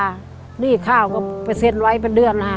หนี้ข้าก็ไปเซ็นไว้เป็นเดือนค่ะ